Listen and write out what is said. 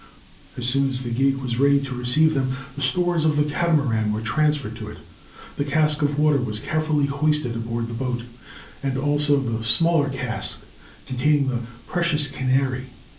As soon as the gig was ready to receive them, the "stores" of the Catamaran were transferred to it. The cask of water was carefully hoisted aboard the boat, as also the smaller cask containing the precious "Canary."